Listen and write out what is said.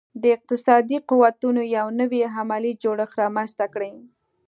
د اقتصادي قوتونو یو نوی علمي جوړښت رامنځته کړي